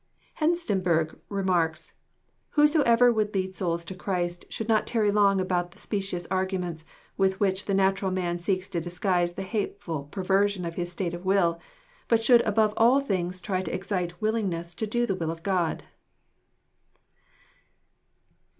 Hengstenberg remarks: "Whosoever would lead souls to Christ should not tarry long about the specious arguments with which the natural man seeks to disguise the hateful per version of his state of will, but should above all things try to excite willingness to do the will of God."